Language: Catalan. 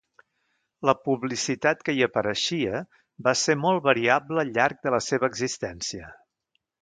La publicitat que hi apareixia va ser molt variable al llarg de la seva existència.